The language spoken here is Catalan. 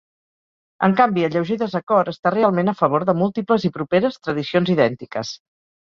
En canvi, el lleuger desacord està realment a favor de múltiples i properes tradicions idèntiques.